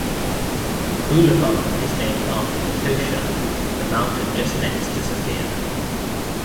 The boulevard is named after Vitosha, the mountain just next to Sofia.